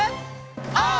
オー！